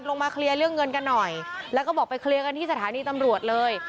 ลงมาเคลียร์เรื่องเงินกันหน่อยแล้วก็บอกไปเคลียร์กันที่สถานีตำรวจเลย